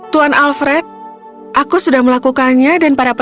tuan alfred aku sudah melakukannya dan para petani